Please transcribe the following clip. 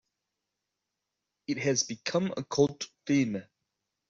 It has become a cult film.